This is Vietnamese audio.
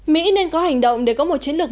mỹ nên có hành động để có một chiến lược